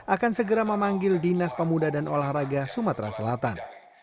akan segera memanggil dinas pemuda dan olahraga sumatera selatan